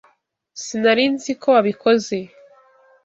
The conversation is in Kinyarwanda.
Sinari nzi ko wabikoze